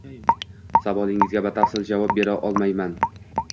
— Savolingizga batafsil javob bera olmayman